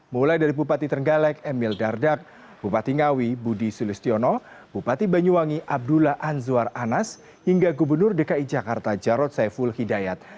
mulai dari bupati trenggalek emil dardak bupati ngawi budi sulistiono bupati banyuwangi abdullah anzwar anas hingga gubernur dki jakarta jarod saiful hidayat